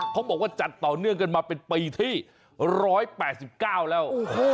เขาบอกว่าจัดต่อเนื่องกันมาเป็นปีที่๑๘๙แล้ว